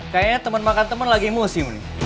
kayaknya temen makan temen lagi emosi